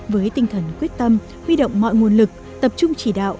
với tinh thần quyết tâm huy động mọi nguồn lực tập trung chỉ đạo